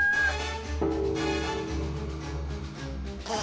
あ。